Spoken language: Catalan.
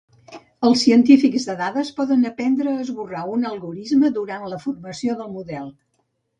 Els científics de dades poden aprendre a esborrar un algorisme durant la formació del model.